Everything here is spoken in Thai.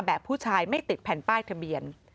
แบบผู้ชายไม่ติดแผ่นป้ายทะเบียน